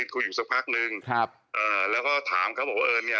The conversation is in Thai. คุยอยู่สักพักนึงครับเอ่อแล้วก็ถามเขาบอกว่าเออเนี่ย